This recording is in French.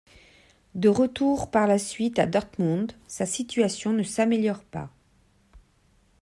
De retour par la suite à Dortmund, sa situation ne s'améliore pas.